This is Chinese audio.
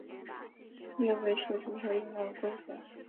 越位是足球运动的规则。